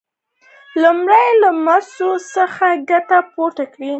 لومړی یې له مسو څخه ګټه پورته کړه.